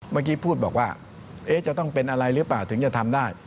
เมื่อกี้พูดบอกว่าจะต้องเป็นอะไรหรือเปล่าถึงจะทำได้